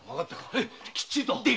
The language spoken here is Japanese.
ヘイきっちりと。